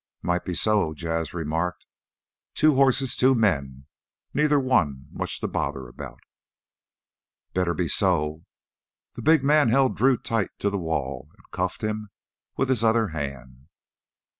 "Might be so," Jas' remarked. "Two horses, two men. Neither one much to bother about." "Better be so!" The big man held Drew tight to the wall and cuffed him with his other hand.